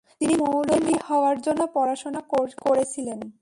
তিনি মৌলভী হওয়ার জন্য পড়াশোনা করেছিলেন।